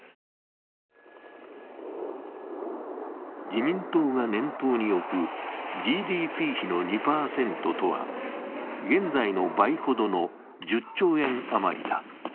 自民党が念頭に置くＧＤＰ比の２％とは現在の倍ほどの１０兆円余りだ。